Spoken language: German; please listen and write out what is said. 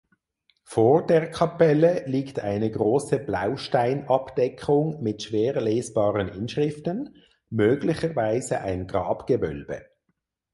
Vor der Kapelle liegt eine große Blausteinabdeckung mit schwer lesbaren Inschriften (möglicherweise ein Grabgewölbe).